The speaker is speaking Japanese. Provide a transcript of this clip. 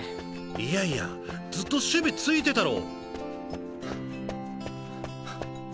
いやいやずっと守備ついてたろ？